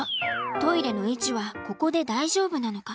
トイレの位置はここで大丈夫なのか？